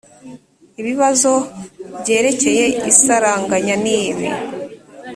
ibibazo byerekeye isaranganya nibi